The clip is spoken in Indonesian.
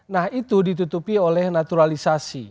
nah itu ditutupi oleh naturalisasi